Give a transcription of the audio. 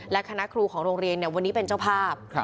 และคณะครูของโรงเรียนวันนี้เป็นเจ้าภาพ